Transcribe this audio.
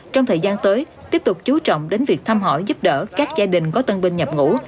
trong thời gian tới tiếp tục chú trọng đến việc thăm hỏi giúp đỡ các gia đình có tân binh nhập ngũ